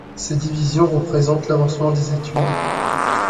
Ces divisions représentent l'avancement des études.